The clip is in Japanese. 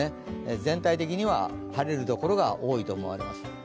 全体的には晴れる所が多いと思われます。